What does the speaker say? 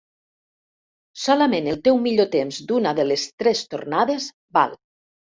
Solament el teu millor temps d'una de les tres tornades val.